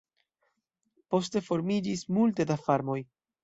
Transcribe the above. Poste formiĝis multe da farmoj.